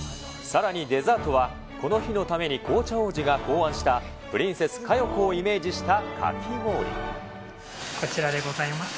さらに、デザートはこの日のために紅茶王子が考案したプリンセス佳代子をこちらでございます。